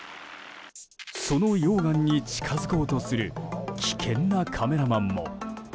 その溶岩に近づこうとする危険なカメラマンも。